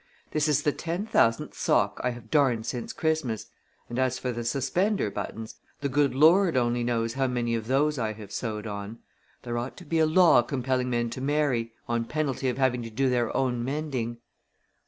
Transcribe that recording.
This is the ten thousandth sock I have darned since Christmas, and as for the suspender buttons, the good Lord only knows how many of those I have sewed on. There ought to be a law compelling men to marry on penalty of having to do their own mending."